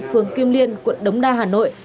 phường kim liên quận đống đa hà nội